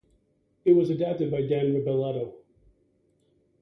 It was adapted by Dan Rebellato.